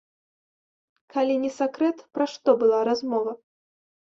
Калі не сакрэт, пра што была размова?